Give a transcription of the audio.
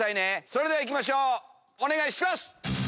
それでは行きましょうお願いします！